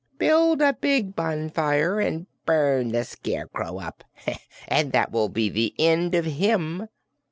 "Build a big bonfire and burn the Scarecrow up, and that will be the end of him."